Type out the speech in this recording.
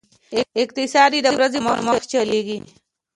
اقتصاد یې د ورځې پر مخ چلېږي.